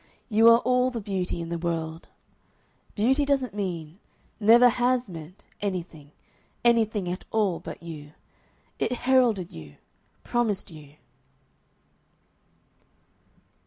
You are all the beauty in the world. Beauty doesn't mean, never has meant, anything anything at all but you. It heralded you, promised you...."